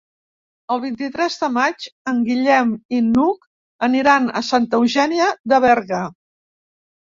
El vint-i-tres de maig en Guillem i n'Hug aniran a Santa Eugènia de Berga.